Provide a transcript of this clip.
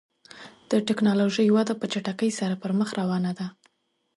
د ټکنالوژۍ وده په چټکۍ سره پر مخ روانه ده.